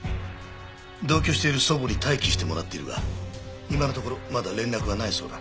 同居している祖母に待機してもらっているが今のところまだ連絡はないそうだ。